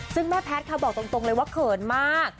ซึ่งแม่แพทย์ค่ะบอกตรงเลยว่าเขินมาก